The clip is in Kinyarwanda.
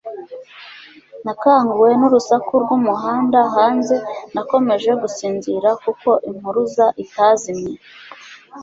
nakanguwe n urusaku rwumuhanda hanze nakomeje gusinzira kuko impuruza itazimye